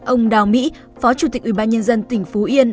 ông đào mỹ phó chủ tịch ubnd tỉnh phú yên